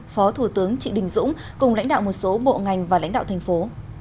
phó thủ tướng trị đình dũng cùng lãnh đạo một số bộ ngành và lãnh đạo thành phố